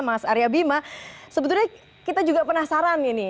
mas arya bima sebetulnya kita juga penasaran ini